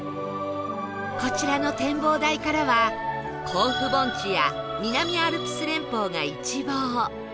こちらの展望台からは甲府盆地や南アルプス連峰が一望